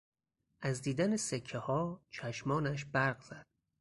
از دیدن سکهها چشمانش برق زد.